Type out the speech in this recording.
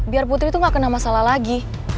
biar putri itu gak kena masalah lagi